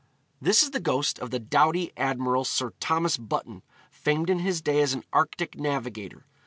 This is the ghost of the doughty admiral Sir Thomas Button, famed in his day as an Arctic navigator.